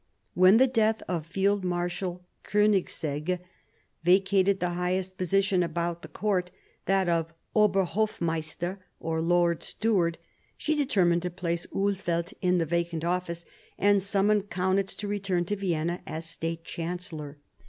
When the v 1748 55 CHANGE OF ALLIANCES 95 death of Field Marshal Konigsegg vacated the highest position about the court, that of Obersthofmeister or Lord Steward, she determined to place Ulfeldt in the vacant office and summon Kaunitz to return to Vienna as State Chancellor.